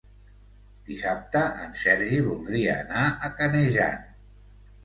Dissabte en Sergi voldria anar a Canejan.